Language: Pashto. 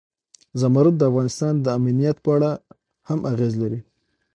زمرد د افغانستان د امنیت په اړه هم اغېز لري.